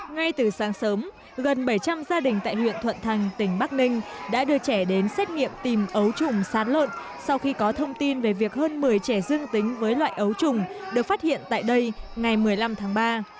ngay từ sáng sớm gần bảy trăm linh gia đình tại huyện thuận thành tỉnh bắc ninh đã đưa trẻ đến xét nghiệm tìm ấu trùng sát lợn sau khi có thông tin về việc hơn một mươi trẻ dương tính với loại ấu trùng được phát hiện tại đây ngày một mươi năm tháng ba